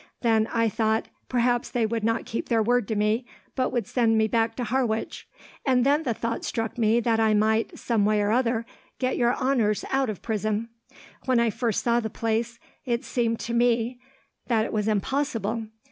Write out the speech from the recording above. Then I thought, perhaps they would not keep their word to me, but would send me back to Harwich; and then the thought struck me that I might, some way or other, get your honours out of prison. "When I first saw the place, it seemed to me that it was impossible.